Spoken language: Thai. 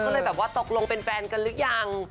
ก็เลยตกลงเป็นแฟนกันหรือยัง